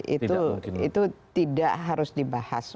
itu tidak harus dibahas